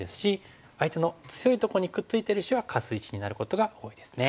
相手の強いとこにくっついてる石はカス石になることが多いですね。